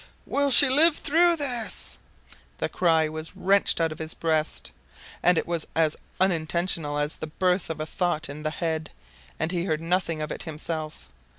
"Will she live through this?" The cry was wrenched out of his breast. It was as unintentional as the birth of a thought in the head, and he heard nothing of it himself.